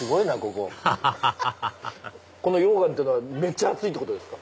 この溶岩っていうのはめっちゃ熱いってことですか？